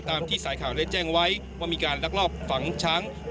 ที่สายข่าวได้แจ้งไว้ว่ามีการลักลอบฝังช้าง